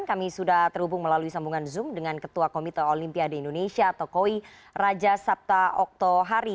kami sudah terhubung melalui sambungan zoom dengan ketua komite olimpiade indonesia tokoi raja sabta oktohari